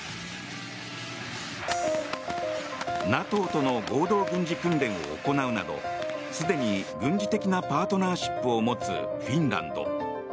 ＮＡＴＯとの合同軍事訓練を行うなどすでに軍事的なパートナーシップを持つフィンランド。